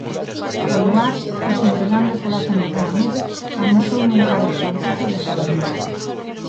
O luar, escintilando pola fenda dunha nube, amosoume un cadro espantoso e desolador.